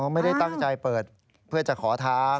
ไม่ได้ตั้งใจเปิดเพื่อจะขอทาง